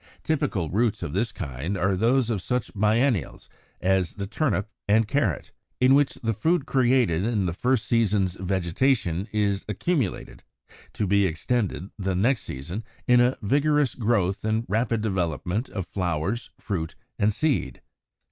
Typical roots of this kind are those of such biennials as the turnip and carrot; in which the food created in the first season's vegetation is accumulated, to be expended the next season in a vigorous growth and a rapid development of flowers, fruit, and seed.